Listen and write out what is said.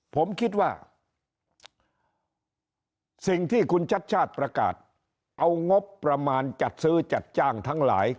ผมคิดว่าสิ่งที่คุณชัดชาติประกาศเอางบประมาณจัดซื้อจัดจ้างทั้งหลาย